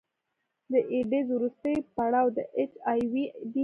د ایډز وروستی پړاو د اچ آی وي دی.